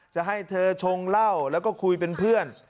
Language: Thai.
จะให้เธอชงเหล้าแล้วก็คุยเป็นเพื่อน